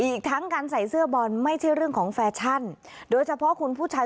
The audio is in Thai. อีกทั้งการใส่เสื้อบอลไม่ใช่เรื่องของแฟชั่นโดยเฉพาะคุณผู้ชาย